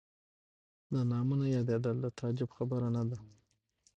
د نامه نه یادېدل د تعجب خبره نه ده.